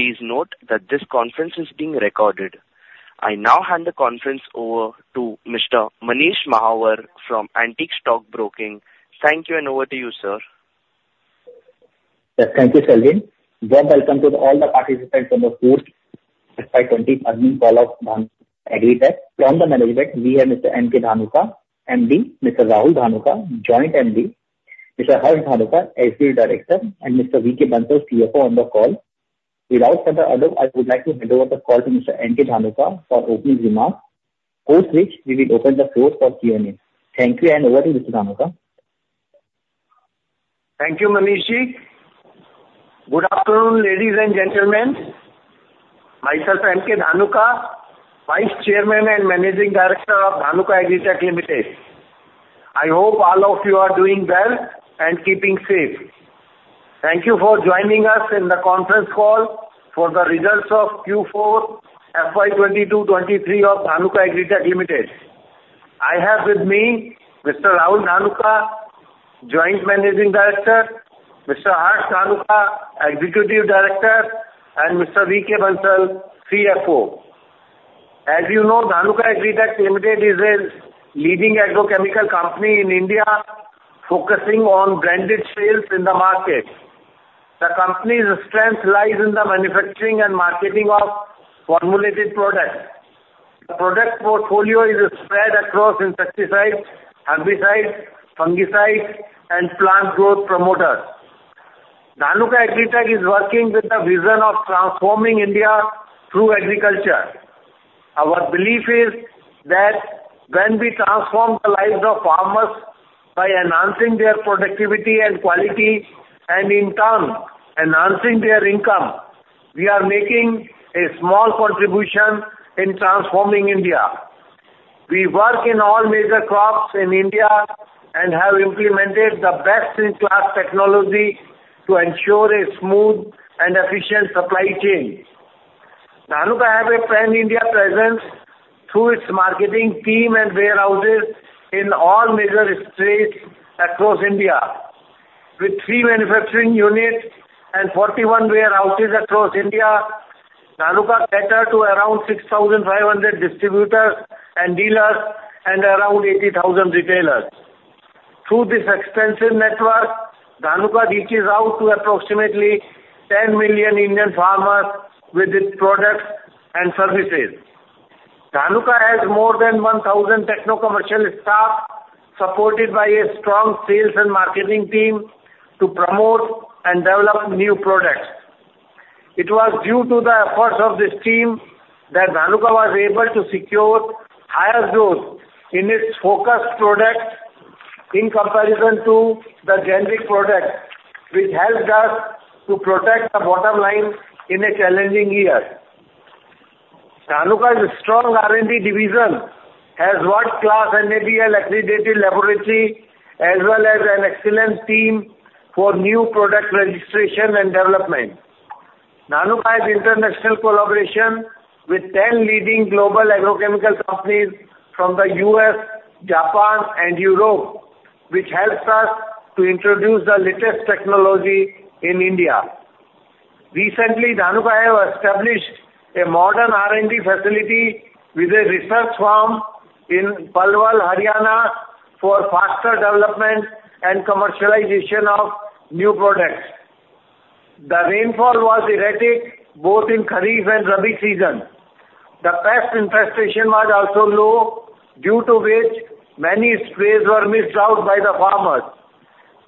Please note that this conference is being recorded. I now hand the conference over to Mr. Manish Mahawar from Antique Stock Broking. Thank you, and over to you, sir. Yes, thank you, Selvin. Warm welcome to all the participants on the 4th FY 20-earning call of Dhanuka Agritech. From the management, we have Mr. M.K. Dhanuka, MD, Mr. Rahul Dhanuka, Joint MD, Mr. Harsh Dhanuka, Executive Director, and Mr. V.K. Bansal, CFO, on the call. Without further ado, I would like to hand over the call to Mr. M.K. Dhanuka for opening remarks, after which we will open the floor for Q&A. Thank you, over to you, Mr. Dhanuka. Thank you, Manishji. Good afternoon, ladies and gentlemen. Myself, M.K. Dhanuka, Vice Chairman and Managing Director of Dhanuka Agritech Limited. I hope all of you are doing well and keeping safe. Thank you for joining us in the conference call for the results of Q4 FY 2022-2023 of Dhanuka Agritech Limited. I have with me Mr. Rahul Dhanuka, Joint Managing Director; Mr. Harsh Dhanuka, Executive Director; and Mr. V.K. Bansal, CFO. As you know, Dhanuka Agritech Limited is a leading agrochemical company in India, focusing on branded sales in the market. The company's strength lies in the manufacturing and marketing of formulated products. The product portfolio is spread across insecticides, herbicides, fungicides, and plant growth promoters. Dhanuka Agritech is working with the vision of transforming India through agriculture. Our belief is that when we transform the lives of farmers by enhancing their productivity and quality, and in turn enhancing their income, we are making a small contribution in transforming India. We work in all major crops in India and have implemented the best-in-class technology to ensure a smooth and efficient supply chain. Dhanuka has a pan-India presence through its marketing team and warehouses in all major states across India. With three manufacturing units and 41 warehouses across India, Dhanuka cater to around 6,500 distributors and dealers and around 80,000 retailers. Through this extensive network, Dhanuka reaches out to approximately 10 million Indian farmers with its products and services. Dhanuka has more than 1,000 technocommercial staff, supported by a strong sales and marketing team, to promote and develop new products. It was due to the efforts of this team that Dhanuka was able to secure higher growth in its focused products in comparison to the generic products, which helped us to protect the bottom line in a challenging year. Dhanuka's strong R&D division has world-class NABL-accredited laboratory as well as an excellent team for new product registration and development. Dhanuka has international collaboration with 10 leading global agrochemical companies from the US, Japan, and Europe, which helps us to introduce the latest technology in India. Recently, Dhanuka have established a modern R&D facility with a research farm in Palwal, Haryana, for faster development and commercialization of new products. The rainfall was erratic, both in kharif and rabi season. The pest infestation was also low, due to which many sprays were missed out by the farmers.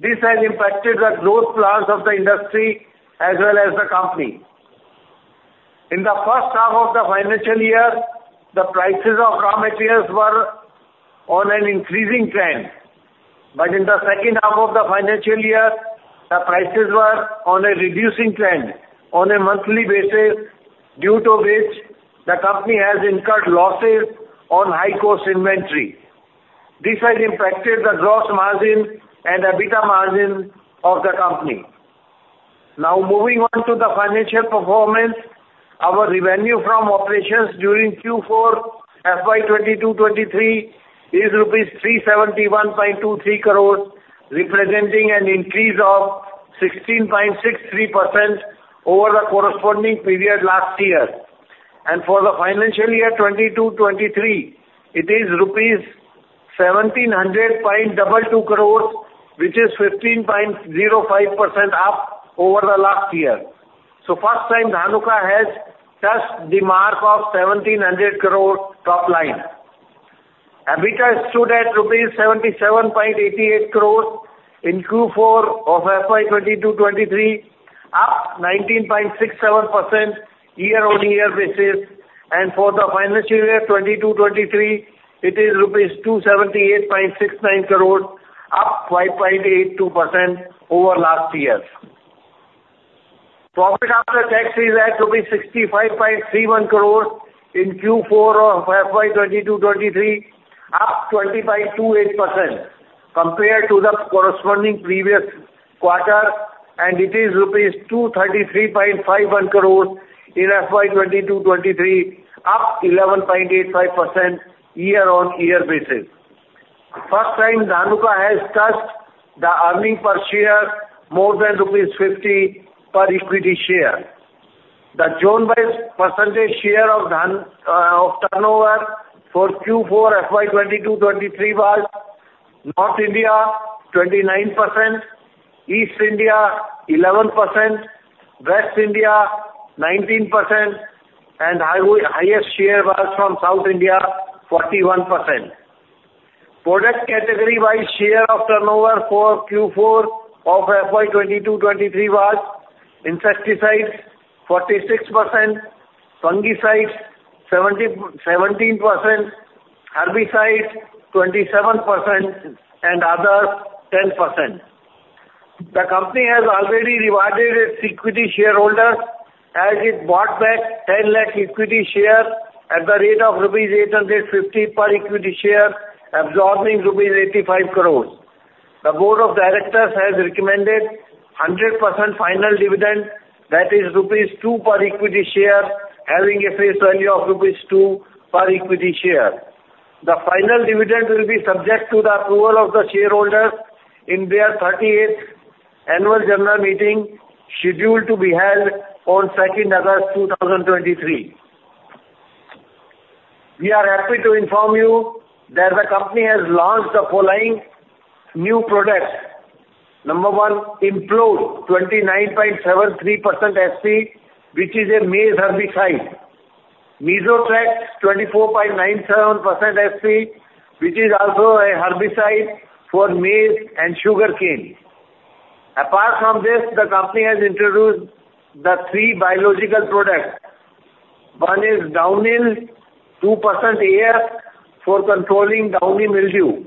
This has impacted the growth plans of the industry as well as the company. In the first half of the financial year, the prices of raw materials were on an increasing trend, but in the second half of the financial year, the prices were on a reducing trend on a monthly basis, due to which the company has incurred losses on high-cost inventory. This has impacted the gross margin and EBITDA margin of the company. Now moving on to the financial performance, our revenue from operations during Q4 FY 2022-2023 is rupees 371.23 crores, representing an increase of 16.63% over the corresponding period last year. For the financial year 2022-2023, it is rupees 1,700.22 crores, which is 15.05% up over the last year. First time, Dhanuka has touched the mark of 1,700 crore top line. EBITDA stood at rupees 77.88 crores in Q4 of FY 2022-2023, up 19.67% year-on-year basis. For the financial year 2022-2023, it is rupees 278.69 crores, up 5.82% over last year. Profit after tax is at 65.31 crores in Q4 of FY 2022-2023, up 20.28% compared to the corresponding previous quarter. It is rupees 233.51 crores in FY 2022-2023, up 11.85% year-on-year basis. First time Dhanuka has touched the earnings per share more than rupees 50 per equity share. The zone wise percentage share of Dhanuka, of turnover for Q4 FY 2022-2023 was North India 29%, East India 11%, West India 19%, and the highest share was from South India, 41%. Product category by share of turnover for Q4 of FY 2022-2023 was insecticides 46%, fungicides 17%, herbicides 27%, and other 10%. The company has already rewarded its equity shareholders as it bought back 10 lakh equity shares at the rate of rupees 850 per equity share, absorbing rupees 85 crores. The board of directors has recommended 100% final dividend, that is, rupees 2 per equity share, having a face value of rupees 2 per equity share. The final dividend will be subject to the approval of the shareholders in their 38th annual general meeting, scheduled to be held on August 2, 2023. We are happy to inform you that the company has launched the following new products. Number one, Im-Prove, 29.73% SC, which is a maize herbicide. Mesotrax, 24.97% SC, which is also a herbicide for maize and sugarcane. Apart from this, the company has introduced the three biological products. One is Downil, 2% AR for controlling downy mildew.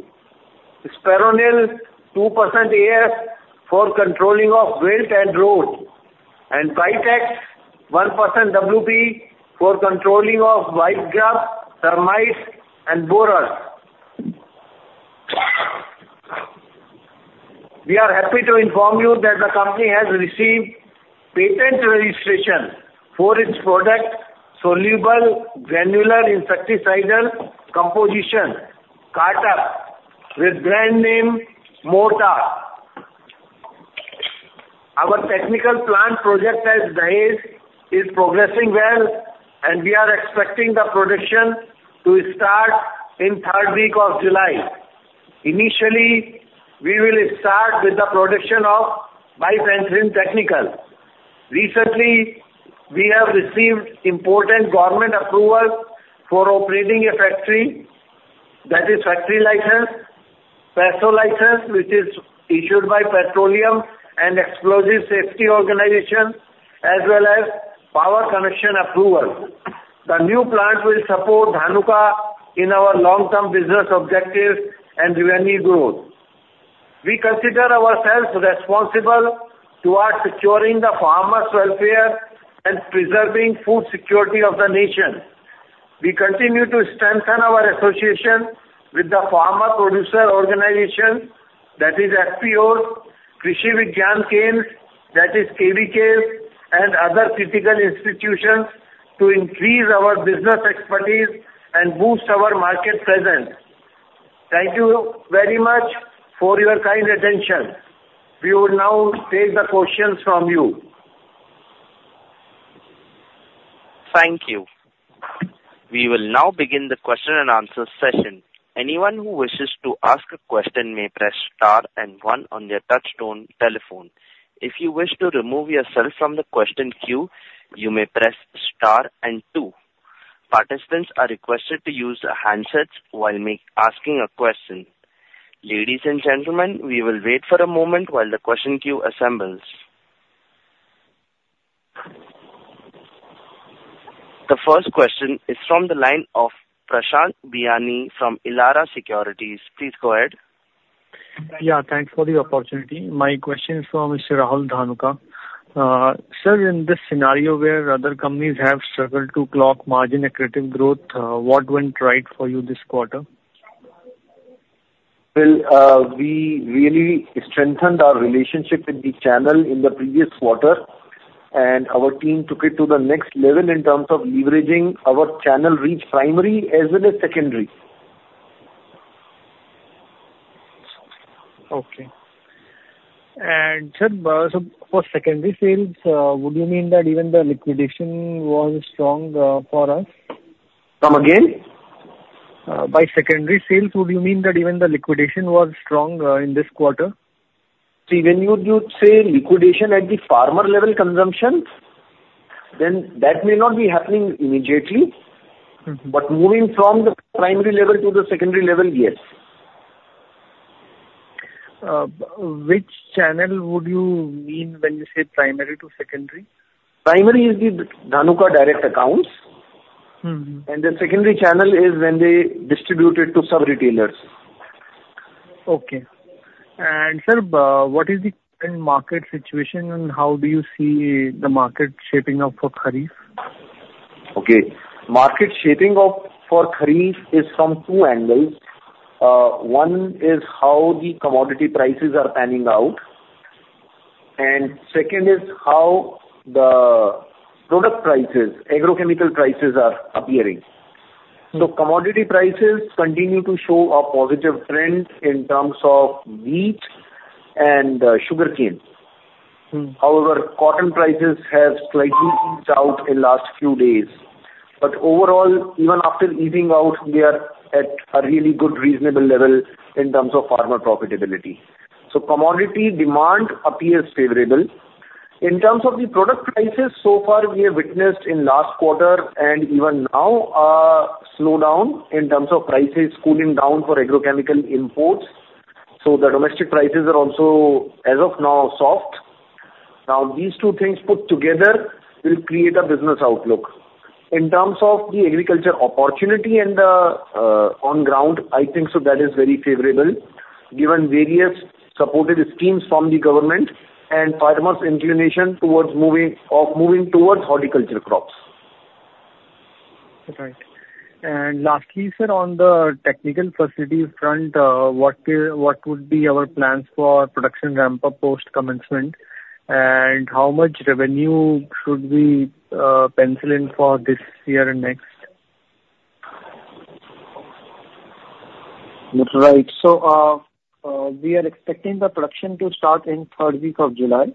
Speranyl, 2% AR for controlling of wilt and rot, and Pytex, 1% WP for controlling of white grubs, termites, and borers. We are happy to inform you that the company has received patent registration for its product, soluble granular insecticidal composition, Carter, with brand name Mortar. Our technical plant project at Dahej is progressing well. We are expecting the production to start in 3rd week of July. Initially, we will start with the production of Bifenthrin technical. Recently, we have received important government approvals for operating a factory, that is, factory license, PESO license, which is issued by Petroleum and Explosives Safety Organization, as well as power connection approval. The new plant will support Dhanuka in our long-term business objectives and revenue growth. We consider ourselves responsible towards securing the farmers' welfare and preserving food security of the nation. We continue to strengthen our association with the Farmer Producer Organization, that is FPOs, Krishi Vigyan Kendras, that is KVK, and other critical institutions to increase our business expertise and boost our market presence. Thank you very much for your kind attention. We will now take the questions from you. Thank you. We will now begin the question and answer session. Anyone who wishes to ask a question may press star and one on their touchtone telephone. If you wish to remove yourself from the question queue, you may press star and two. Participants are requested to use the handsets while asking a question. Ladies and gentlemen, we will wait for a moment while the question queue assembles. The first question is from the line of Prashant Biyani from Elara Securities. Please go ahead. Yeah, thanks for the opportunity. My question is for Mr. Rahul Dhanuka. Sir, in this scenario where other companies have struggled to clock margin accretive growth, what went right for you this quarter? Well, we really strengthened our relationship with the channel in the previous quarter. Our team took it to the next level in terms of leveraging our channel reach, primary as well as secondary. Okay. Sir, for secondary sales, would you mean that even the liquidation was strong for us? Come again? By secondary sales, would you mean that even the liquidation was strong in this quarter? When you say liquidation at the farmer level consumption, that may not be happening immediately. Mm-hmm. Moving from the primary level to the secondary level, yes. Which channel would you mean when you say primary to secondary? Primary is the Dhanuka direct accounts. Mm-hmm. The secondary channel is when they distribute it to sub-retailers. Okay. Sir, what is the current market situation, and how do you see the market shaping up for kharif? Okay. Market shaping up for Kharif is from two angles. One is how the commodity prices are panning out. Second is how the product prices, agrochemical prices are appearing. Commodity prices continue to show a positive trend in terms of wheat and sugarcane. Mm. Cotton prices have slightly eased out in last few days. Overall, even after easing out, we are at a really good, reasonable level in terms of farmer profitability. Commodity demand appears favorable. In terms of the product prices, so far we have witnessed in last quarter and even now, a slowdown in terms of prices cooling down for agrochemical imports, so the domestic prices are also, as of now, soft. These two things put together will create a business outlook. In terms of the agriculture opportunity and the on ground, I think so that is very favorable, given various supported schemes from the government and farmers' inclination towards moving towards horticulture crops. Right. Lastly, sir, on the technical facility front, what would be our plans for production ramp-up post-commencement, and how much revenue should we pencil in for this year and next? Right. We are expecting the production to start in third week of July.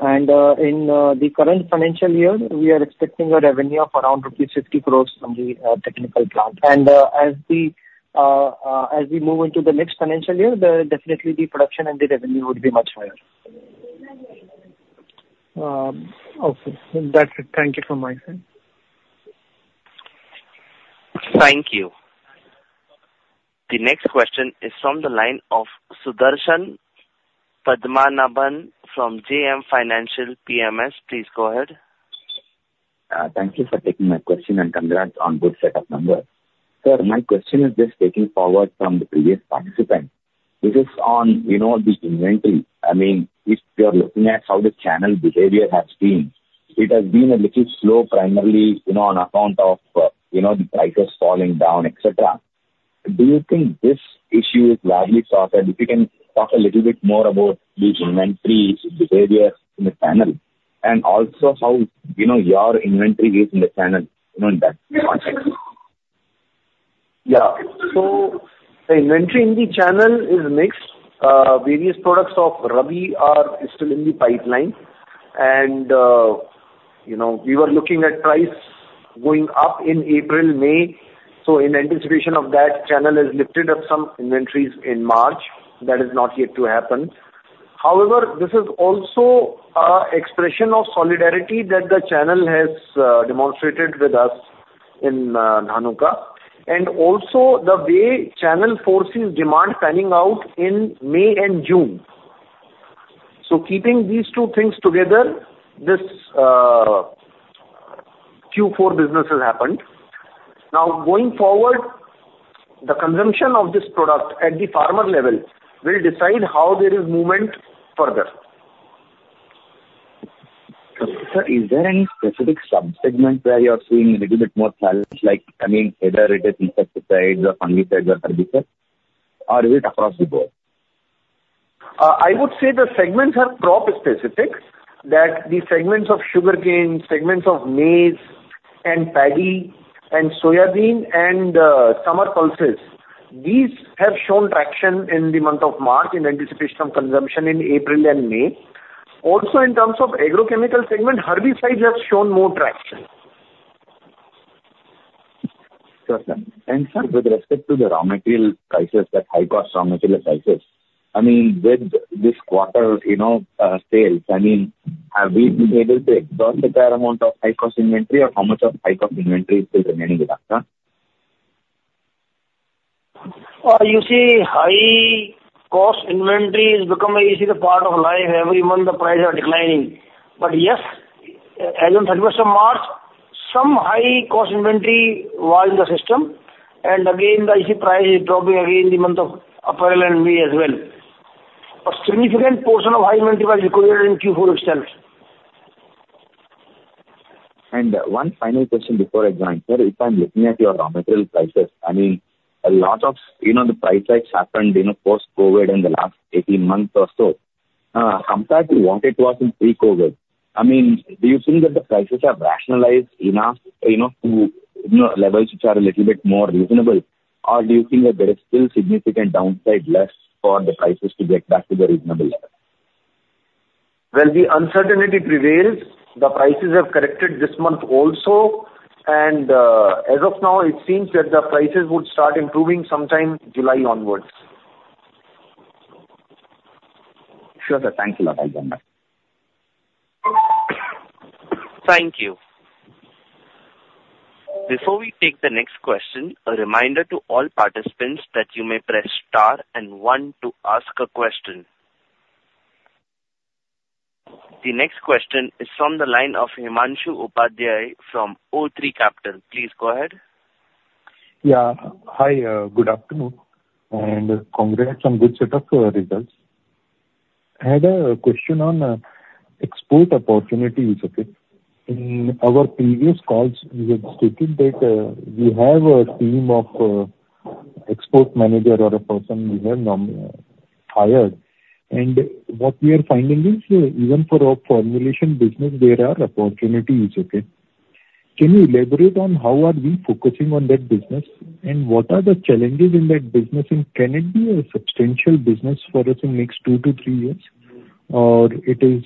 In the current financial year, we are expecting a revenue of around rupees 60 crores from the technical plant. As we move into the next financial year, the definitely the production and the revenue would be much higher. Okay. That's it. Thank you from my side. Thank you. The next question is from the line of Sudarshan Padmanabhan from JM Financial PMS. Please go ahead. Thank you for taking my question. Congrats on good set of numbers. Sir, my question is just taking forward from the previous participant. This is on, you know, the inventory. I mean, if you're looking at how the channel behavior has been, it has been a little slow, primarily, you know, on account of, you know, the prices falling down, et cetera. Do you think this issue is largely sorted? If you can talk a little bit more about the inventory behavior in the channel, and also how, you know, your inventory is in the channel, you know, in that context. The inventory in the channel is mixed. Various products of Rabi are still in the pipeline. You know, we were looking at price going up in April, May. In anticipation of that, channel has lifted up some inventories in March. That is not yet to happen. However, this is also an expression of solidarity that the channel has demonstrated with us in Dhanuka, and also the way channel forces demand panning out in May and June. Keeping these two things together, this Q4 business has happened. Going forward, the consumption of this product at the farmer level will decide how there is movement further. Sir, is there any specific sub-segment where you are seeing a little bit more challenge, like, I mean, whether it is insecticides or fungicides or herbicides, or is it across the board? I would say the segments are crop-specific, that the segments of sugarcane, segments of maize and paddy and soya bean and summer pulses, these have shown traction in the month of March in anticipation of consumption in April and May. In terms of agrochemical segment, herbicides have shown more traction. Sure, sir. Sir, with respect to the raw material prices, the high-cost raw material prices, I mean, with this quarter, you know, sales, I mean, have we been able to exhaust the entire amount of high-cost inventory, or how much of high-cost inventory is still remaining with us, sir? You see, high-cost inventory is becoming an easy part of life. Every month the prices are declining. Yes, as on 31st of March, some high-cost inventory was in the system, again, the IC price is dropping again in the month of April and May as well. A significant portion of high inventory was recovered in Q4 itself. One final question before I join. Sir, if I'm looking at your raw material prices, I mean, a lot of, you know, the price hikes happened, you know, post-COVID in the last 18 months or so, compared to what it was in pre-COVID. I mean, do you think that the prices have rationalized enough, you know, to, you know, levels which are a little bit more reasonable, or do you think that there is still significant downside left for the prices to get back to the reasonable level? The uncertainty prevails. The prices have corrected this month also, and as of now, it seems that the prices would start improving sometime July onwards. Sure, sir. Thank you a lot. I'm done. Thank you. Before we take the next question, a reminder to all participants that you may press star and one to ask a question. The next question is from the line of Himanshu Upadhyay from O3 Capital. Please go ahead. Yeah. Hi, good afternoon. Congrats on good set of results. I had a question on export opportunities, okay? In our previous calls, we had stated that we have a team of export manager or a person we have hired. What we are finding is, even for our formulation business, there are opportunities, okay? Can you elaborate on how are we focusing on that business, what are the challenges in that business, and can it be a substantial business for us in next 2-3 years, or it is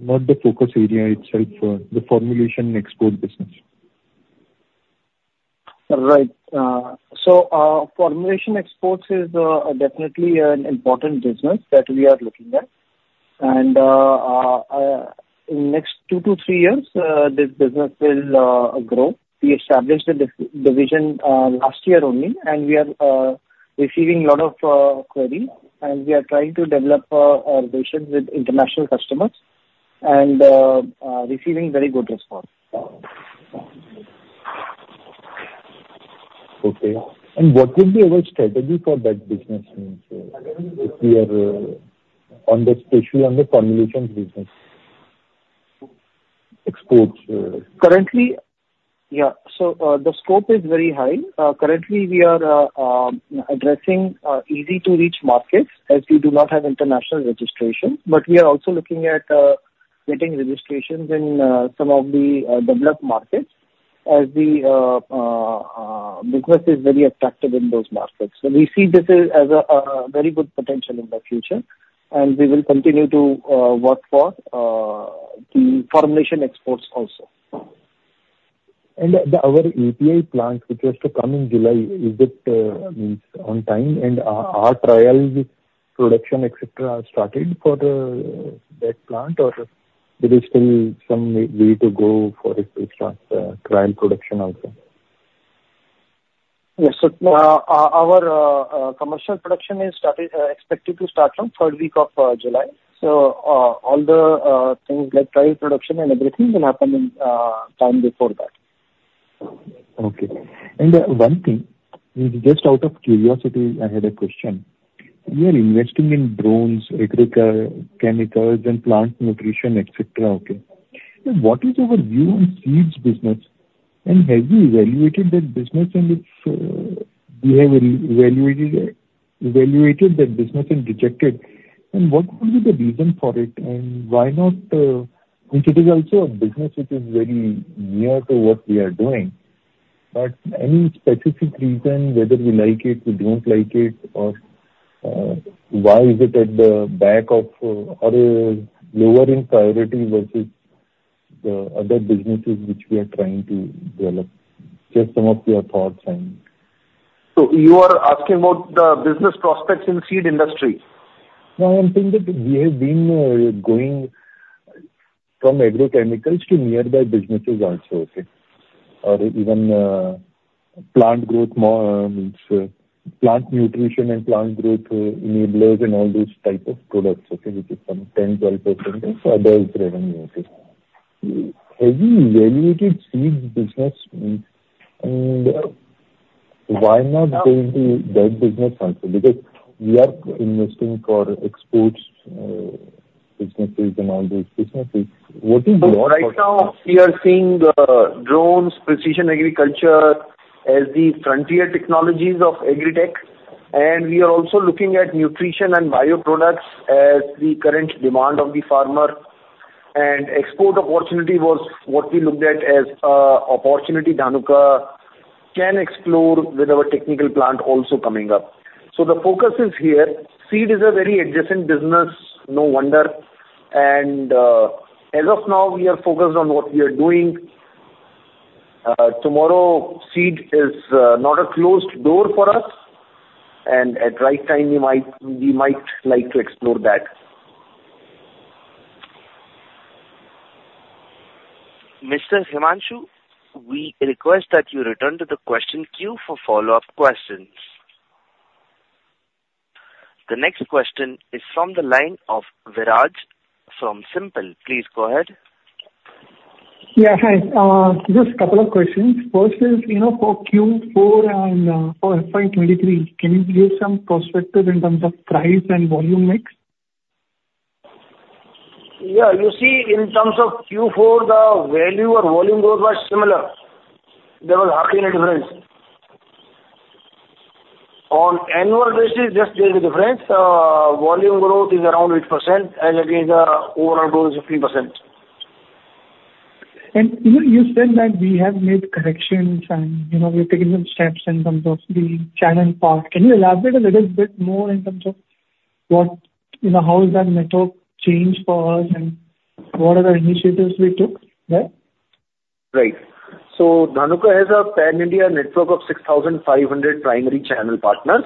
not the focus area itself for the formulation export business? Right. so, formulation exports is definitely an important business that we are looking at. in next 2 to 3 years, this business will grow. We established the division, last year only, and we are receiving a lot of query, and we are trying to develop our relations with international customers and receiving very good response. Okay. What will be our strategy for that business in here, if we are on the, especially on the formulation business exports? Currently. Yeah, the scope is very high. Currently, we are addressing easy-to-reach markets, as we do not have international registration. We are also looking at getting registrations in some of the developed markets, as the business is very attractive in those markets. We see this as a very good potential in the future, and we will continue to work for the formulation exports also. The, our API plant, which was to come in July, is it means on time, and are trial production, et cetera, are started for that plant, or there is still some way to go for it to start trial production also? Yes. Our commercial production is started, expected to start on third week of July. All the things like trial production and everything will happen in time before that. Okay. One thing, just out of curiosity, I had a question: You are investing in drones, agrochemicals and plant nutrition, et cetera, okay. What is our view on seeds business, have you evaluated that business and its, we have evaluated that business and rejected? What would be the reason for it, and why not... Which it is also a business which is very near to what we are doing, but any specific reason whether you like it, you don't like it, or, why is it at the back of, or lower in priority versus the other businesses which we are trying to develop? Just some of your thoughts. You are asking about the business prospects in seed industry? No, I'm saying that we have been going from agrochemicals to nearby businesses also, okay? Even, plant growth, plant nutrition and plant growth enablers and all those type of products, okay, which is some 10%, 12% of others revenue. Have you evaluated seed business, and why not go into that business also? We are investing for exports, businesses and all those businesses. What is your. Right now, we are seeing drones, precision agriculture as the frontier technologies of agri tech, and we are also looking at nutrition and bioproducts as the current demand of the farmer. Export opportunity was what we looked at as opportunity Dhanuka can explore with our technical plant also coming up. The focus is here. Seed is a very adjacent business, no wonder, and, as of now, we are focused on what we are doing. Tomorrow, seed is not a closed door for us, and at right time, we might like to explore that. Mr. Himanshu, we request that you return to the question queue for follow-up questions. The next question is from the line of Viraj from SiMPL. Please go ahead. Yeah, hi. Just a couple of questions. First is, you know, for Q4 and for FY23, can you give some perspectives in terms of price and volume mix? Yeah. You see, in terms of Q4, the value and volume growth was similar. There was hardly any difference. On annual basis, just little difference. Volume growth is around 8%, as against the overall growth, 15%. You said that we have made corrections and, you know, we've taken some steps in terms of the channel part. Can you elaborate a little bit more in terms of what, you know, how is that network changed for us, and what are the initiatives we took there? Right. Dhanuka has a Pan-India network of 6,500 primary channel partners.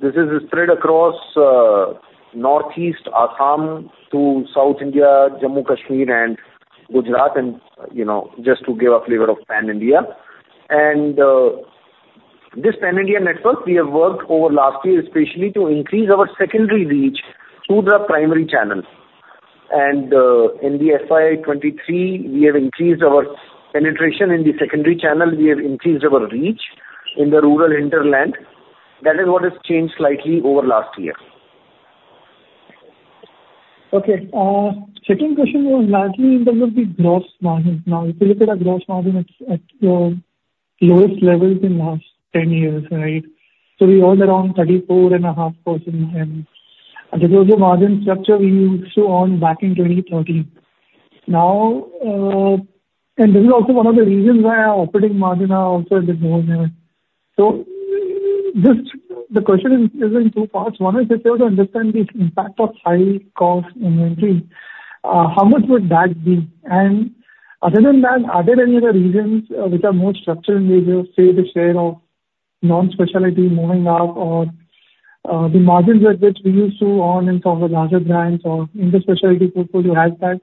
This is spread across Northeast Assam to South India, Jammu and Kashmir, and Gujarat, and, you know, just to give a flavor of Pan-India. This Pan-India network, we have worked over last year, especially to increase our secondary reach through the primary channels. In the FY23, we have increased our penetration in the secondary channel. We have increased our reach in the rural hinterland. That is what has changed slightly over last year. Okay, second question was largely in terms of the gross margin. Now, if you look at our gross margin, it's at lowest levels in last 10 years, right? We're all around 34.5%, and because the margin structure we used to own back in 2013. Now, and this is also one of the reasons why our operating margin are also a bit more there. Just the question is in two parts. One is just to understand the impact of high cost inventory, how much would that be? Other than that, are there any other reasons which are more structural in nature, say, the share of non-specialty moving up or, the margins at which we used to own in terms of larger brands or in the specialty portfolio, has that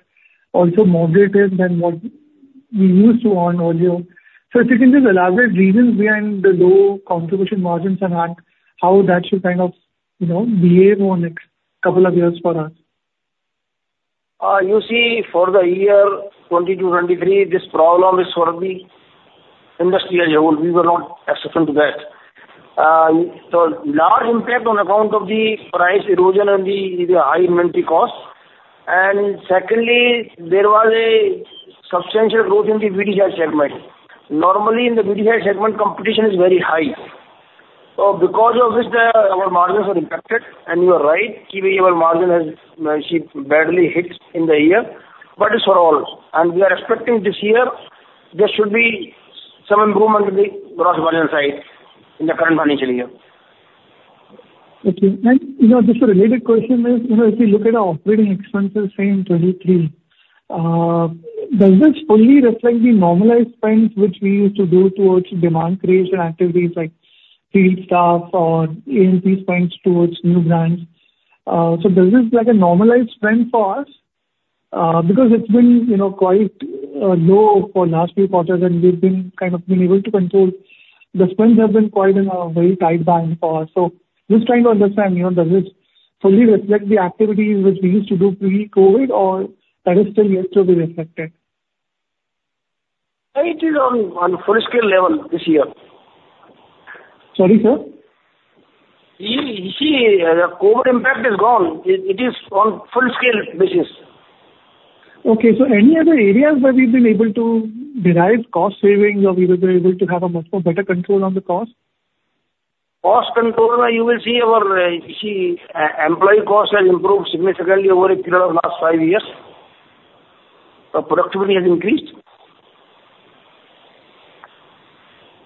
also moderated than what we used to own earlier? If you can just elaborate reasons behind the low contribution margins and how that should kind of, you know, behave on next couple of years for us. You see, for the year 2022, 2023, this problem is for the industry as a whole. We were not exception to that. Large impact on account of the price erosion and the high inventory costs. Secondly, there was a substantial growth in the B2B share segment. Normally, in the B2B share segment, competition is very high. Because of this, our margins are impacted, and you are right, key variable margin has badly hit in the year, but it's for all. We are expecting this year there should be some improvement in the gross margin side in the current financial year. Okay. You know, just a related question is, you know, if you look at our operating expenses, say, in 2023, does this fully reflect the normalized spends which we used to do towards demand creation activities like field staff or A&P spends towards new brands? This is like a normalized spend for us because it's been, you know, quite low for last few quarters, and we've been kind of been able to control. The spends have been quite in a very tight band for us, so just trying to understand, you know, does this fully reflect the activities which we used to do pre-COVID, or that is still yet to be reflected? It is on full scale level this year. Sorry, sir? The COVID impact is gone. It is on full scale basis. Okay. Any other areas where we've been able to derive cost savings or we were able to have a much more better control on the cost? Cost control, you will see our employee cost has improved significantly over a period of last 5 years. Our productivity has increased.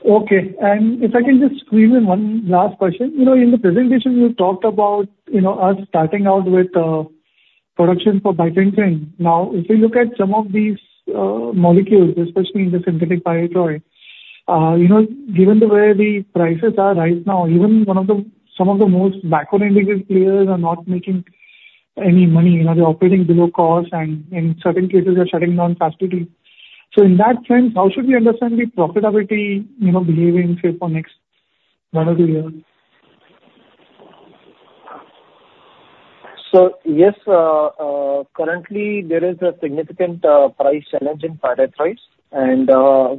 Okay. If I can just squeeze in one last question. You know, in the presentation you talked about, you know, us starting out with production for Bifenthrin. If you look at some of these molecules, especially in the synthetic pyrethroids, you know, given the way the prices are right now, even some of the most backward-integrated players are not making any money. You know, they're operating below cost and in certain cases are shutting down capacity. In that sense, how should we understand the profitability, you know, behaving, say, for next one or two years? Yes, currently there is a significant price challenge in pyrethroids, and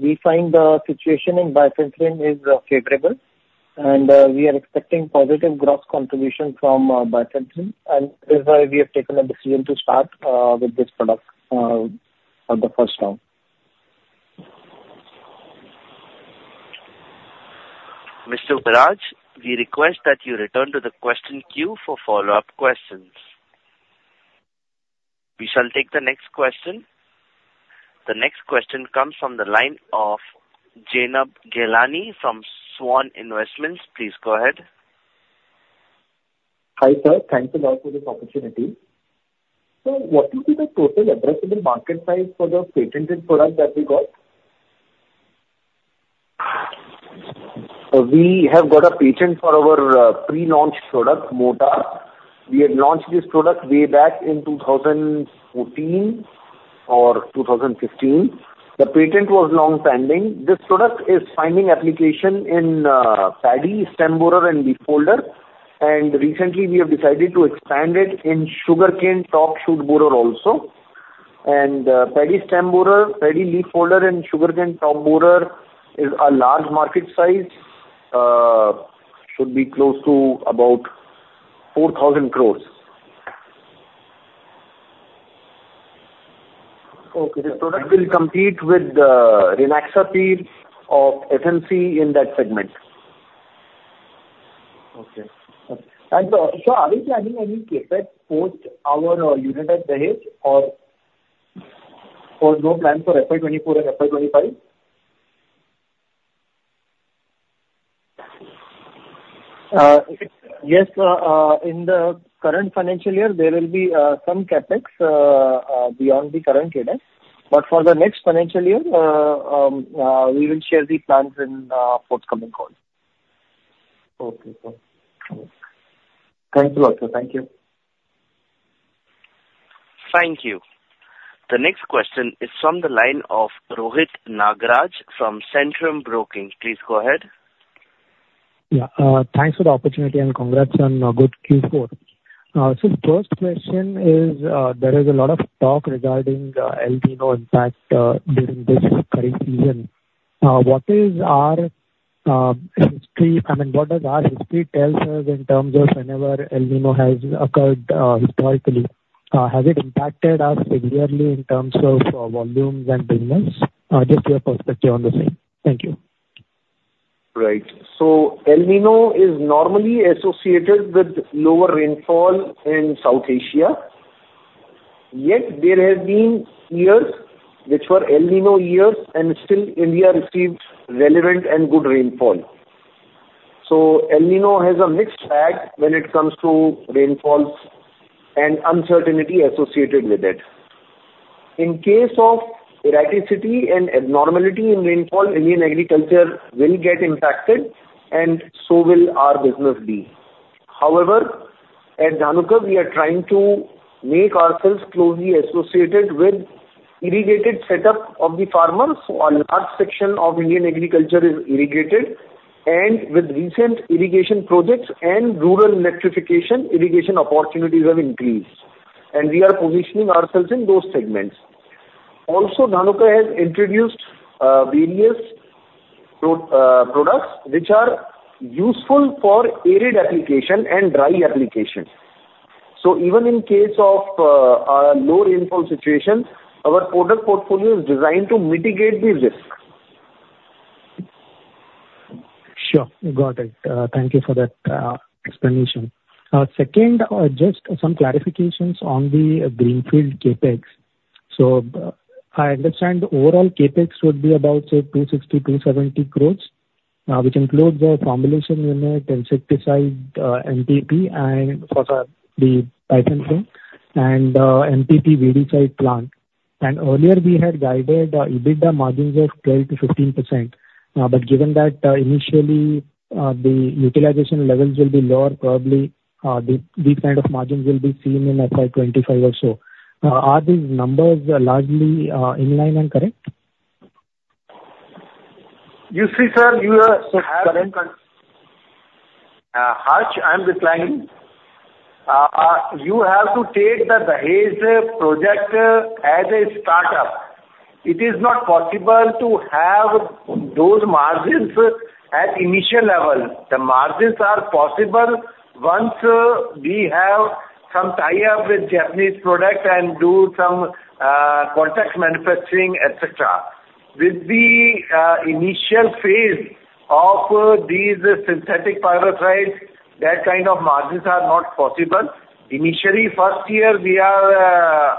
we find the situation in Bifenthrin is favorable, and we are expecting positive gross contribution from Bifenthrin, and that is why we have taken a decision to start with this product for the first round. Mr. Viraj, we request that you return to the question queue for follow-up questions. We shall take the next question. The next question comes from the line of Zainab Petiwala from Swan Investments. Please go ahead. Hi, sir. Thanks a lot for this opportunity. What will be the total addressable market size for the patented product that we got? We have got a patent for our pre-launch product, Tizom. We had launched this product way back in 2014 or 2015. The patent was long-standing. This product is finding application in paddy, stem borer and leaf folder, recently we have decided to expand it in sugarcane top shoot borer also. Paddy stem borer, paddy leaf folder, and sugarcane top borer is a large market size, should be close to about 4,000 crores. Okay. This product will compete with Rynaxypyr of FMC in that segment. Okay. Are we planning any CapEx for our unit at Dahej or no plans for FY 2024 and FY 2025? Yes, in the current financial year, there will be some CapEx beyond the current cadence. For the next financial year, we will share the plans in forthcoming call. Okay, sir. Thank you a lot, sir. Thank you. Thank you. The next question is from the line of Rohit Nagraj from Centrum Broking. Please go ahead. Thanks for the opportunity, congrats on a good Q4. First question is, there is a lot of talk regarding El Niño impact during this kharif season. What is our history, I mean, what does our history tells us in terms of whenever El Niño has occurred historically? Has it impacted us severely in terms of volumes and business? Just your perspective on the same. Thank you. Right. El Niño is normally associated with lower rainfall in South Asia, yet there have been years which were El Niño years and still India received relevant and good rainfall. El Niño has a mixed bag when it comes to rainfalls and uncertainty associated with it. In case of errativity and abnormality in rainfall, Indian agriculture will get impacted and so will our business be. At Dhanuka, we are trying to make ourselves closely associated with irrigated setup of the farmers. A large section of Indian agriculture is irrigated, and with recent irrigation projects and rural electrification, irrigation opportunities have increased, and we are positioning ourselves in those segments. Dhanuka has introduced various products which are useful for arid application and dry application. Even in case of a low rainfall situation, our product portfolio is designed to mitigate the risk. Sure, got it. Thank you for that explanation. Second, just some clarifications on the greenfield CapEx. I understand the overall CapEx would be about, say, 260-270 crores, which includes the formulation unit, insecticide, MPP, and for the bifenthrin and MPP miticide plant. Earlier, we had guided EBITDA margins of 12%-15%. But given that, initially, these kind of margins will be seen in FY25 or so. Are these numbers largely in line and correct? You see, sir, Harsh, I'm replying. You have to take the Dahej project as a startup. It is not possible to have those margins at initial level. The margins are possible once we have some tie-up with Japanese product and do some contract manufacturing, et cetera. With the initial phase of these synthetic pyrethroids, that kind of margins are not possible. Initially, first year we are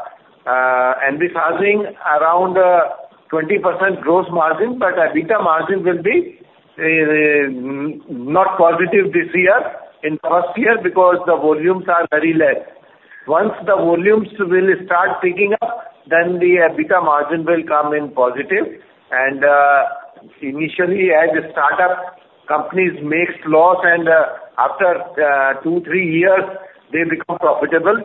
envisaging around 20% gross margin, but EBITDA margins will be not positive this year, in first year, because the volumes are very less. Once the volumes will start picking up, then the EBITDA margin will come in positive. Initially, as a startup, companies makes loss and after two, three years, they become profitable.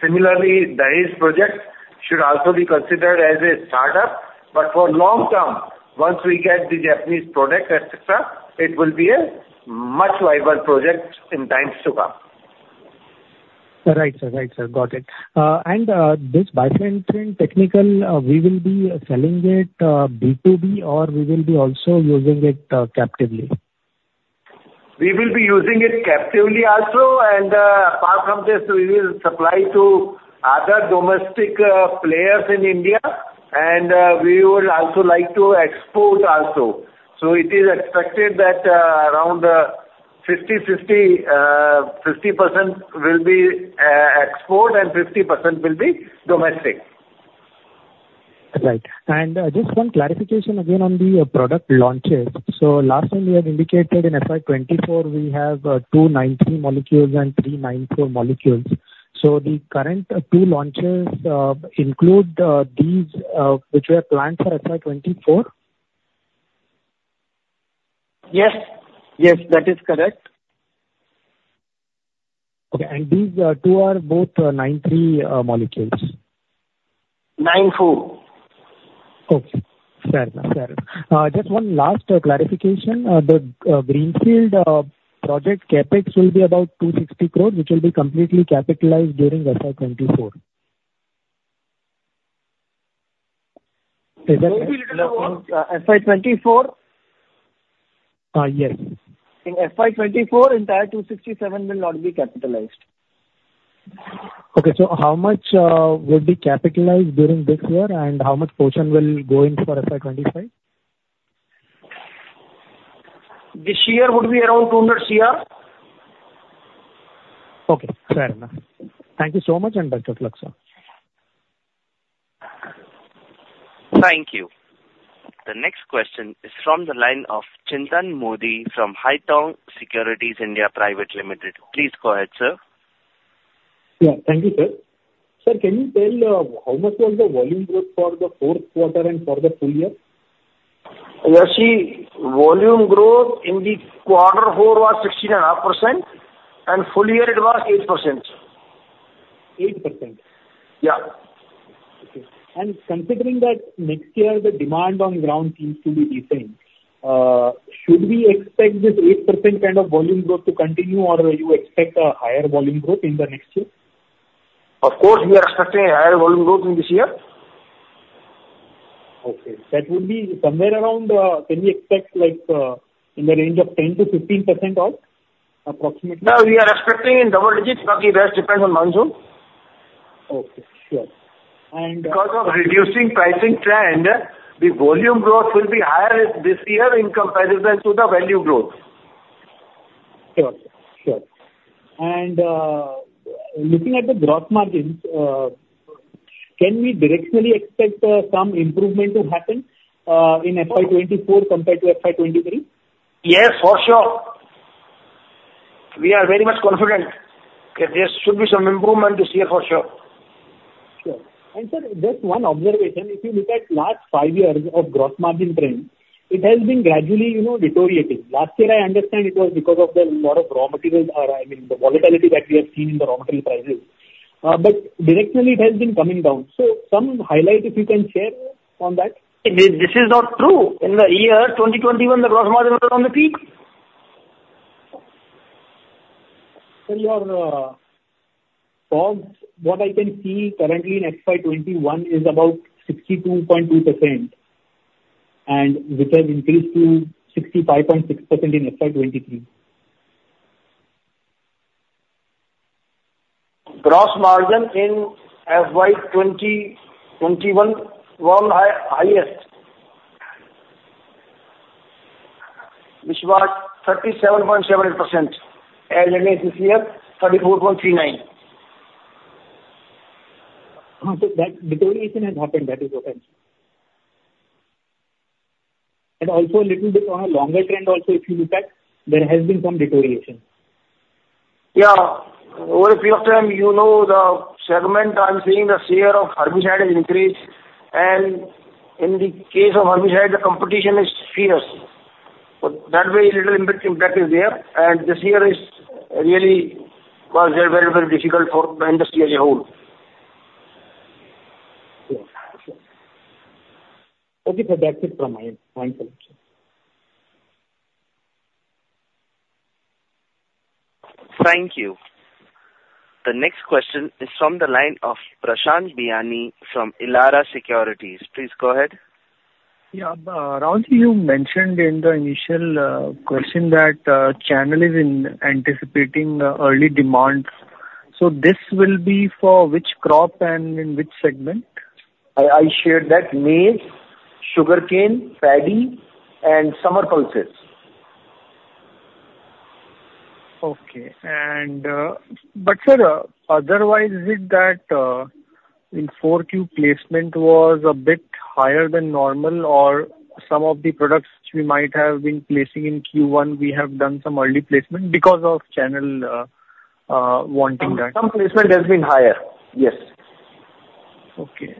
Similarly, Dahej project should also be considered as a startup, but for long term, once we get the Japanese product, et cetera, it will be a much viable project in times to come. Right, sir. Right, sir. Got it. This bifenthrin technical, we will be selling it, B2B, or we will be also using it, captively? We will be using it captively also, and apart from this, we will supply to other domestic players in India, and we would also like to export also. It is expected that around 50/50% will be export and 50% will be domestic. Right. Just one clarification again on the product launches. Last time you had indicated in FY 2024, we have 290 molecules and 394 molecules. The current two launches include these which were planned for FY 2024? Yes. Yes, that is correct. Okay, these, 2 are both, 9(3), molecules? 9(4). Okay. Fair enough. Fair enough. Just one last clarification. The greenfield project CapEx will be about 260 crores, which will be completely capitalized during FY24. Is that correct? FY 2024? Yes. In FY 24, entire 267 will not be capitalized. Okay, how much will be capitalized during this year, and how much portion will go in for FY 25? This year would be around 200 CR. Okay, fair enough. Thank you so much, and best of luck, sir. Thank you. The next question is from the line of Chintan Modi, from Haitong Securities India Private Limited. Please go ahead, sir. Yeah. Thank you, sir. Sir, can you tell how much was the volume growth for the fourth quarter and for the full year? Yeah, see, volume growth in the quarter four was 16.5%, and full year it was 8%. 8%? Yeah. Okay. Considering that next year the demand on ground seems to be decent, should we expect this 8% kind of volume growth to continue, or you expect a higher volume growth in the next year? Of course, we are expecting a higher volume growth in this year. Okay. That would be somewhere around, can we expect like, in the range of 10%-15% out, approximately? No, we are expecting in double digits, but it just depends on monsoon. Okay, sure. Because of reducing pricing trend, the volume growth will be higher this year in comparison to the value growth. Sure, sure. Looking at the growth margins, can we directionally expect some improvement to happen in FY 2024 compared to FY 2023? Yes, for sure! We are very much confident that there should be some improvement this year, for sure. Sure. Sir, just one observation, if you look at last five years of gross margin trend, it has been gradually, you know, deteriorating. Last year, I understand it was because of the lot of raw materials or, I mean, the volatility that we have seen in the raw material prices. Directionally, it has been coming down. Some highlight, if you can share on that. This is not true. In the year 2021, the gross margin was on the peak. Sir, your, COGS, what I can see currently in FY 21 is about 62.2%, and which has increased to 65.6% in FY 23. Gross margin in FY 2021 were highest, which was 37.7%, and in this year, 34.39%. That deterioration has happened, that is okay. Also little bit on a longer trend also, if you look at, there has been some deterioration. Yeah. Over a period of time, you know, the segment I'm seeing, the share of herbicide has increased. In the case of herbicide, the competition is fierce. That way, little impact is there. This year was very, very difficult for the industry as a whole. Sure. Okay, that's it from my end. Thank you. Thank you. The next question is from the line of Prashant Biyani from Elara Securities. Please go ahead. Yeah. Rahul ji, you mentioned in the initial question that channel is in anticipating early demands. This will be for which crop and in which segment? I shared that maize, sugarcane, paddy and summer pulses. Okay. Sir, otherwise, is it that in 4Q placement was a bit higher than normal or some of the products we might have been placing in Q1, we have done some early placement because of channel wanting that? Some placement has been higher. Yes. Okay.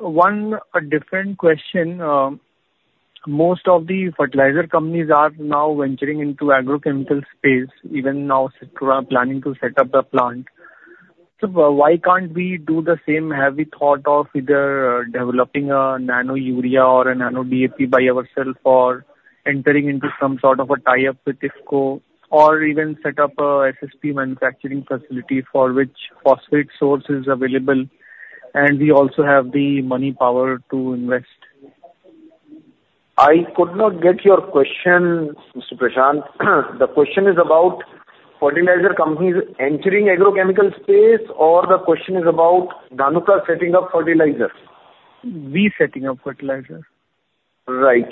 One different question. Most of the fertilizer companies are now venturing into agrochemical space. Even now, Sitara planning to set up the plant. Why can't we do the same? Have we thought of either developing a Nano Urea or a Nano DAP by ourself, or entering into some sort of a tie-up with IFFCO, or even set up a SSP manufacturing facility for which phosphate source is available, we also have the money power to invest? I could not get your question, Mr. Prashant. The question is about fertilizer companies entering agrochemical space, or the question is about Dhanuka setting up fertilizer? We setting up fertilizer. Right.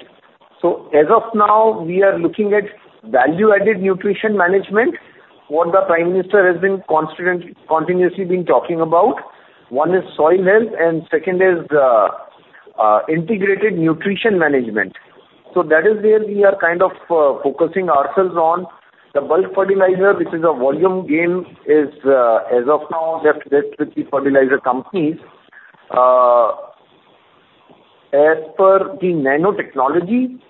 As of now, we are looking at value-added nutrition management, what the Prime Minister has been constantly, continuously been talking about. One is soil health, and second is the integrated nutrition management. That is where we are kind of focusing ourselves on. The bulk fertilizer, which is a volume game, is as of now left with the fertilizer companies. As per the nanotechnology,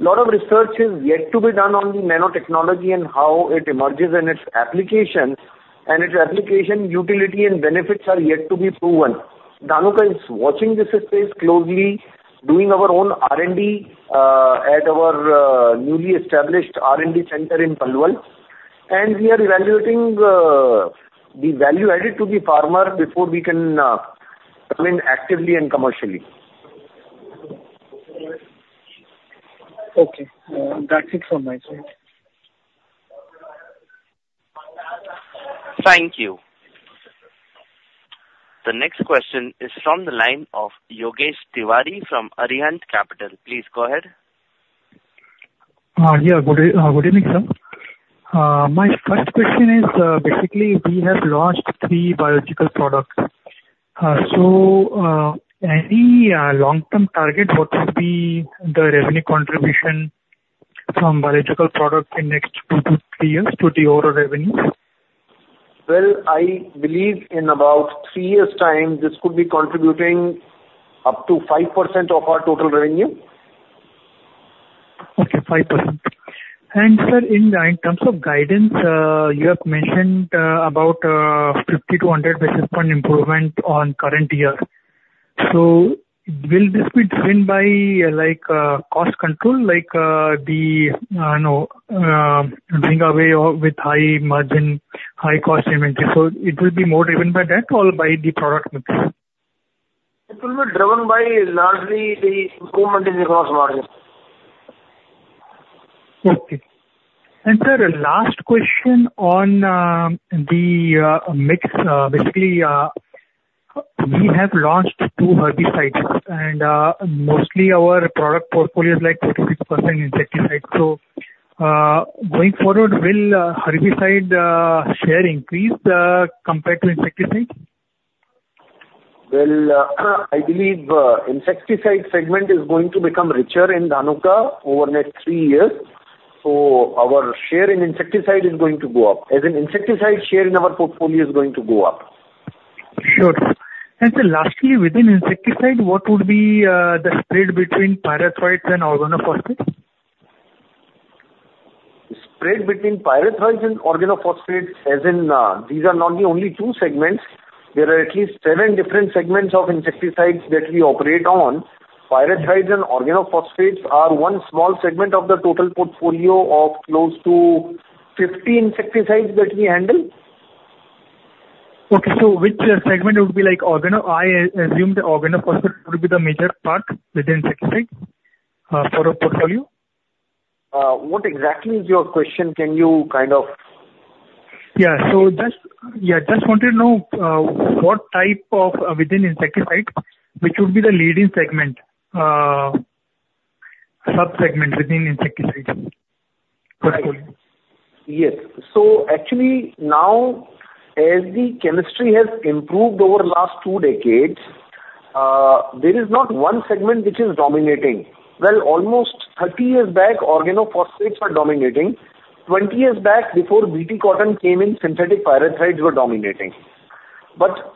a lot of research is yet to be done on the nanotechnology and how it emerges and its applications, and its application, utility and benefits are yet to be proven. Dhanuka is watching this space closely, doing our own R&D at our newly established R&D center in Palwal, and we are evaluating the value added to the farmer before we can come in actively and commercially. Okay. that's it from my side. Thank you. The next question is from the line of Yogesh Tiwari from Arihant Capital. Please go ahead. Yeah. Good evening, sir. My first question is, basically, we have launched 3 biological products. Any long-term target, what would be the revenue contribution from biological products in next 2-3 years to the overall revenue? Well, I believe in about three years' time, this could be contributing up to 5% of our total revenue. Okay, 5%. Sir, in terms of guidance, you have mentioned about 50-100 basis point improvement on current year. Will this be driven by, like, cost control, like, the doing away or with high margin, high cost inventory, so it will be more driven by that or by the product mix? It will be driven by largely the improvement in the gross margin. Okay. Sir, last question on the mix. Basically, we have launched two herbicides, and mostly our product portfolio is like 56% insecticides. Going forward, will herbicide share increase compared to insecticides? Well, I believe, insecticide segment is going to become richer in Dhanuka over the next three years. Our share in insecticide is going to go up, as in insecticide share in our portfolio is going to go up. Sure. Sir, lastly, within insecticide, what would be the spread between pyrethroids and organophosphates? The spread between pyrethroids and organophosphates, as in, these are not the only two segments. There are at least seven different segments of insecticides that we operate on. Pyrethroids and organophosphates are one small segment of the total portfolio of close to 50 insecticides that we handle. Okay. Which segment would be like organo? I assume the organophosphate would be the major part within insecticide, for our portfolio. What exactly is your question? Yeah. Just, yeah, just wanted to know, what type of within insecticides, which would be the leading segment, subsegment within insecticides portfolio? Yes. Actually, now, as the chemistry has improved over the last two decades, there is not one segment which is dominating. Well, almost 30 years back, organophosphates were dominating. 20 years back, before Bt cotton came in, synthetic pyrethroids were dominating.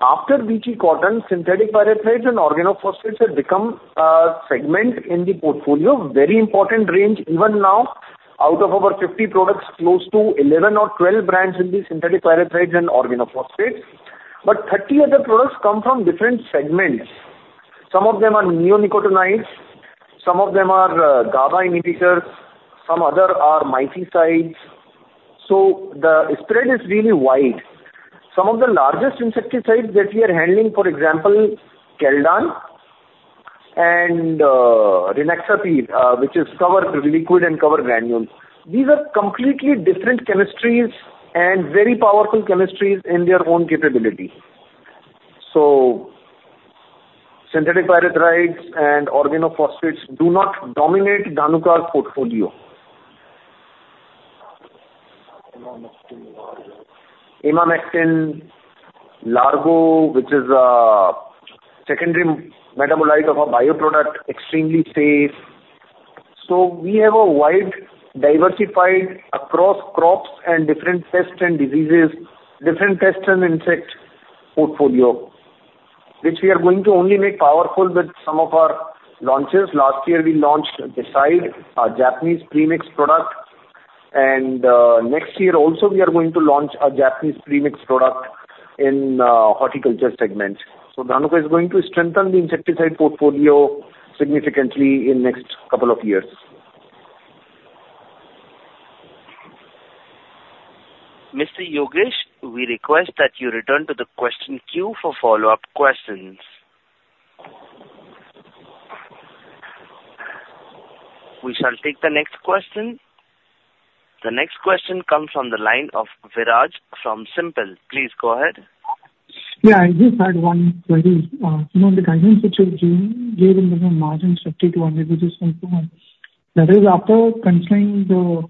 After Bt cotton, synthetic pyrethroids and organophosphates have become a segment in the portfolio. Very important range. Even now, out of our 50 products, close to 11 or 12 brands will be synthetic pyrethroids and organophosphates. 30 other products come from different segments. Some of them are neonicotinoids, some of them are GABA inhibitors, some other are miticides. The spread is really wide. Some of the largest insecticides that we are handling, for example, Caldan and Rynaxypyr, which is cover liquid and cover granule. These are completely different chemistries and very powerful chemistries in their own capability. Synthetic pyrethroids and organophosphates do not dominate Dhanuka's portfolio. Emamectin Benzoate, which is a secondary metabolite of a bioproduct, extremely safe. We have a wide diversified across crops and different pests and diseases, different pests and insect portfolio, which we are going to only make powerful with some of our launches. Last year, we launched Decide, our Japanese premix product, and next year also, we are going to launch a Japanese premix product in horticulture segment. Dhanuka is going to strengthen the insecticide portfolio significantly in next couple of years. Mr. Yogesh, we request that you return to the question queue for follow-up questions. We shall take the next question. The next question comes from the line of Viraj from SiMPL. Please go ahead. Yeah, I just had one query. You know, the guidance which you gave in terms of margin, 50-100 basis points, that is after considering the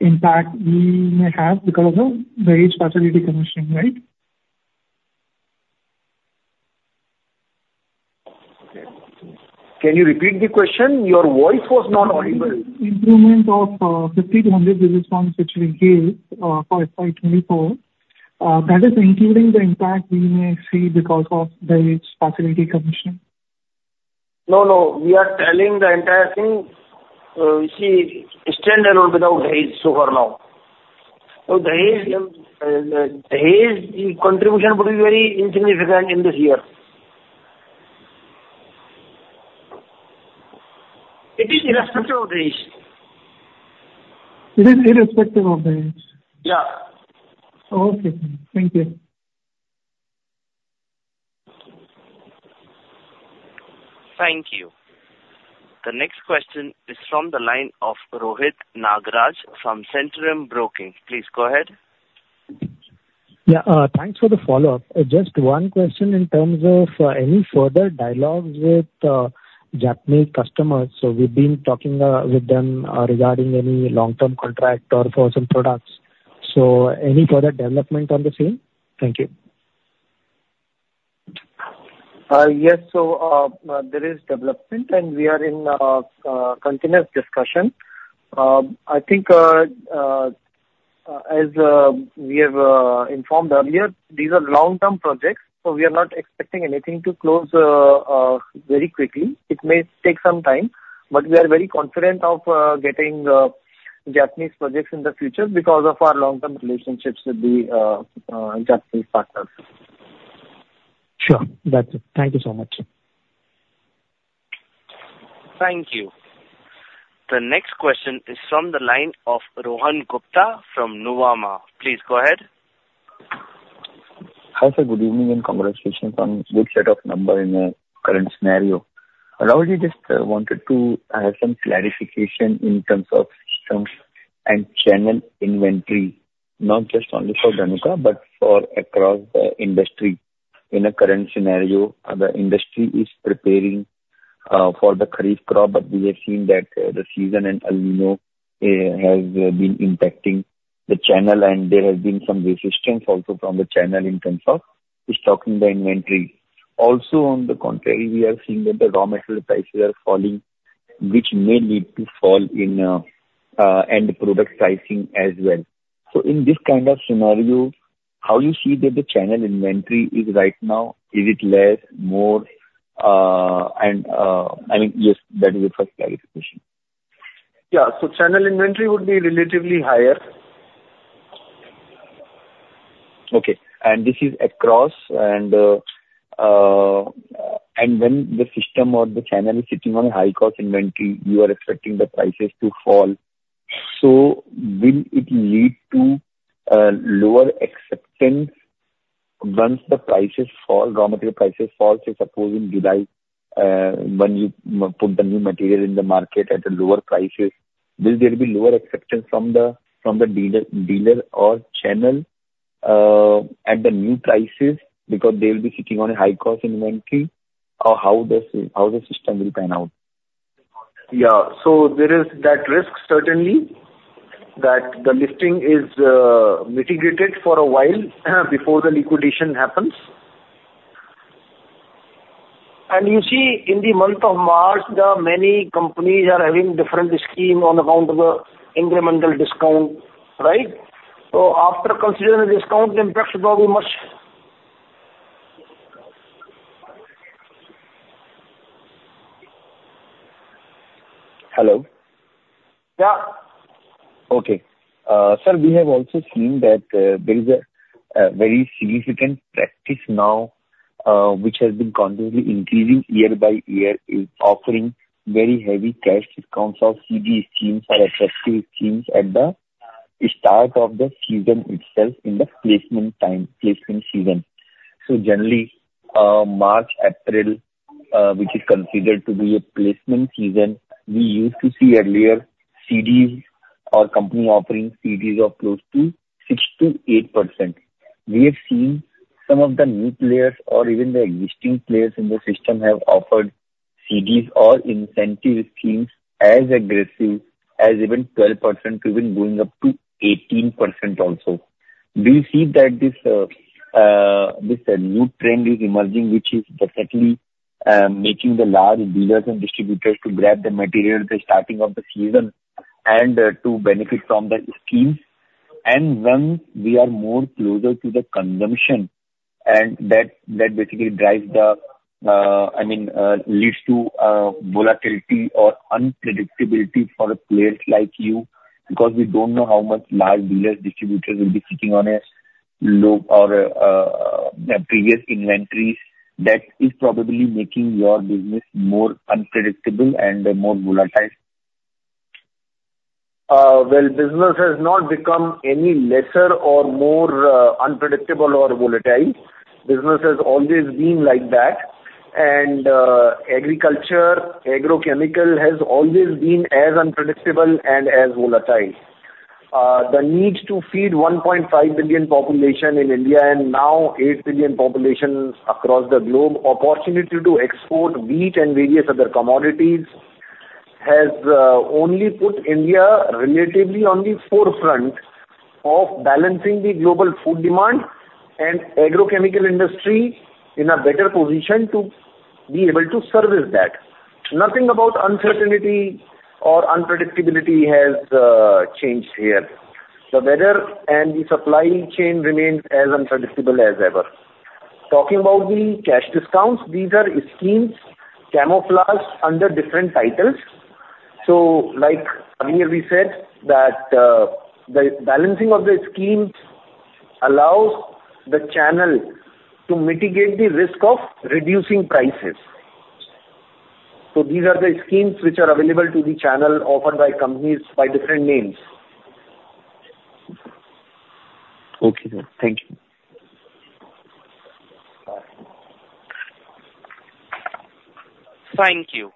impact we may have because of the Dahej facility commissioning, right? Can you repeat the question? Your voice was not audible. Improvement of, 50-100 basis points, which we gave, for FY 2024, that is including the impact we may see because of Dahej's facility commissioning. No, no. We are telling the entire thing, see, standalone without Dahej so far now. Dahej's contribution will be very insignificant in this year. It is irrespective of Dahej. It is irrespective of Dahej? Yeah. Okay. Thank you. Thank you. The next question is from the line of Rohit Nagraj from Centrum Broking. Please go ahead. Yeah, thanks for the follow-up. Just one question in terms of, any further dialogues with, Japanese customers. We've been talking, with them, regarding any long-term contract or for some products. Any product development on the same? Thank you. Yes. There is development, and we are in continuous discussion. I think as we have informed earlier, these are long-term projects, so we are not expecting anything to close very quickly. It may take some time, but we are very confident of getting Japanese projects in the future because of our long-term relationships with the Japanese partners. Sure. That's it. Thank you so much. Thank you. The next question is from the line of Rohan Gupta from Nuvama. Please go ahead. Hi, sir, good evening, congratulations on good set of number in the current scenario. I already just wanted to have some clarification in terms of systems and channel inventory, not just only for Dhanuka, but for across the industry. In the current scenario, the industry is preparing for the kharif crop, but we have seen that the season and El Niño has been impacting the channel, and there has been some resistance also from the channel in terms of restocking the inventory. Also, on the contrary, we are seeing that the raw material prices are falling, which may lead to fall in end product pricing as well. In this kind of scenario, how you see that the channel inventory is right now? Is it less, more, and, I mean, yes, that is the first clarification. Yeah. Channel inventory would be relatively higher. Okay. This is across and when the system or the channel is sitting on a high cost inventory, you are expecting the prices to fall. Will it lead to lower acceptance once the prices fall, raw material prices fall? Say, suppose in July, when you put the new material in the market at lower prices, will there be lower acceptance from the dealer or channel at the new prices because they will be sitting on a high cost inventory? How the system will pan out? Yeah. There is that risk, certainly, that the listing is mitigated for a while before the liquidation happens. You see, in the month of March, the many companies are having different scheme on account of the incremental discount, right? After considering the discount impact probably March. Hello? Yeah. Okay. sir, we have also seen that there is a very significant practice now, which has been continuously increasing year by year, is offering very heavy cash discounts or CD schemes or attractive schemes at the start of the season itself in the placement time, placement season. Generally, March, April, which is considered to be a placement season, we used to see earlier CDs or company offerings, CDs of close to 6%-8%. We have seen some of the new players or even the existing players in the system have offered CDs or incentive schemes as aggressive as even 12% to even going up to 18% also. Do you see that this new trend is emerging, which is definitely making the large dealers and distributors to grab the material at the starting of the season and to benefit from the schemes? When we are more closer to the consumption, that basically drives the leads to volatility or unpredictability for players like you, because we don't know how much large dealers, distributors will be sitting on a low or previous inventories. That is probably making your business more unpredictable and more volatile. Well, business has not become any lesser or more unpredictable or volatile. Business has always been like that. Agriculture, agrochemical has always been as unpredictable and as volatile. The need to feed 1.5 billion population in India and now 8 billion populations across the globe, opportunity to export wheat and various other commodities, has only put India relatively on the forefront of balancing the global food demand and agrochemical industry in a better position to be able to service that. Nothing about uncertainty or unpredictability has changed here. The weather and the supply chain remains as unpredictable as ever. Talking about the cash discounts, these are schemes camouflaged under different titles. Like earlier we said, that the balancing of the schemes allows the channel to mitigate the risk of reducing prices. These are the schemes which are available to the channel, offered by companies by different names. Okay, sir. Thank you. Thank you.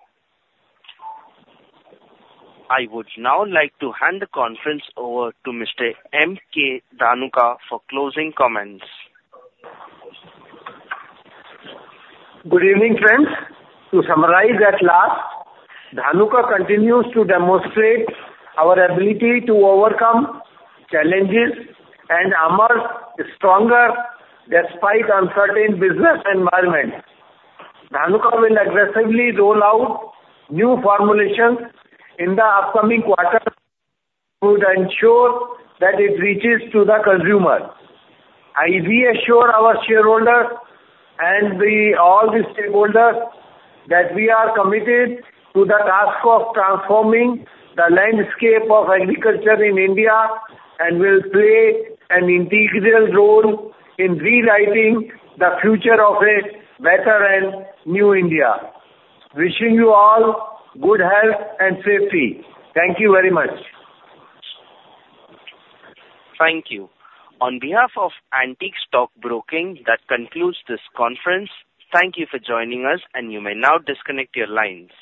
I would now like to hand the conference over to Mr. M.K. Dhanuka for closing comments. Good evening, friends. To summarize at last, Dhanuka continues to demonstrate our ability to overcome challenges and emerge stronger despite uncertain business environment. Dhanuka will aggressively roll out new formulations in the upcoming quarter to ensure that it reaches to the consumer. I reassure our shareholder and all the stakeholder, that we are committed to the task of transforming the landscape of agriculture in India, and will play an integral role in rewriting the future of a better and new India. Wishing you all good health and safety. Thank you very much. Thank you. On behalf of Antique Stock Broking, that concludes this conference. Thank you for joining us, and you may now disconnect your lines.